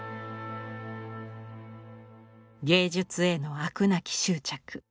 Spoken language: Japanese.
芸術への飽くなき執着。